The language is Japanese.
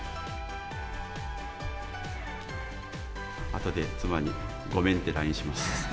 あとで、妻にごめんってＬＩＮＥします。